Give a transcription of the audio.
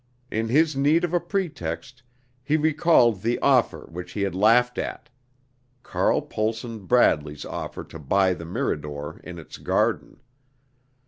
In his need of a pretext, he recalled the offer which he had laughed at; Carl Pohlson Bradley's offer to buy the Mirador in its garden.